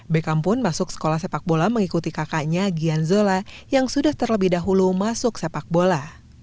beckham pun masuk sekolah sepak bola mengikuti kakaknya gian zola yang sudah terlebih dahulu masuk sepak bola